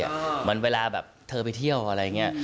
เหมือนเวลาแบบเธอไปเที่ยวอะไรอย่างนี้